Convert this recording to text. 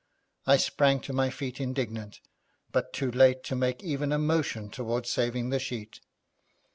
I sprang to my feet indignant, but too late to make even a motion outwards saving the sheet.